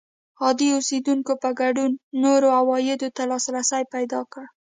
عادي اوسېدونکو په ګډون نورو عوایدو ته لاسرسی پیدا کړ